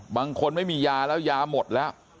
ไม่มียาแล้วยาหมดแล้ว